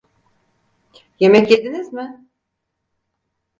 Yemek yediniz mi?